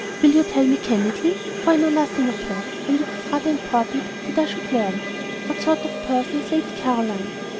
"Will you tell me candidly for I know nothing of her, and it is rather important that I should learn what sort of person is Lady Caroline?"